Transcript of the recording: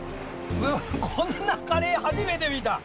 こんなカレーはじめて見た！